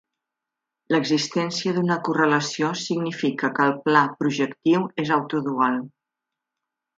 L'existència d'una correlació significa que el pla projectiu és "auto dual".